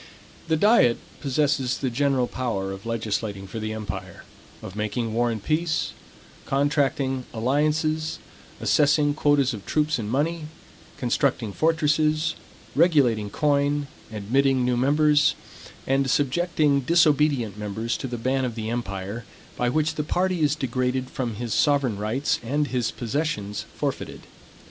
The diet possesses the general power of legislating for the empire; of making war and peace; contracting alliances; assessing quotas of troops and money; constructing fortresses; regulating coin; admitting new members; and subjecting disobedient members to the ban of the empire, by which the party is degraded from his sovereign rights and his possessions forfeited.